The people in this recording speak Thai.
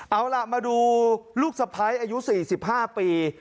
เอาล่ะมาดูลูกสะพ้ายอายุ๔๕ปี